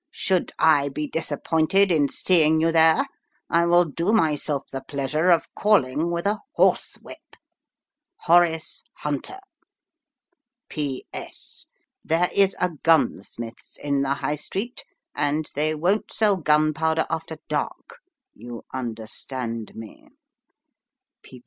Should I be disappointed in seeing you there, I will do myself the pleasure of calling with a horsewhip. " HORACE HUNTER. " PS. There is a gunsmith's in the High Street ; and they won't sell gunpowder after dark you understand me.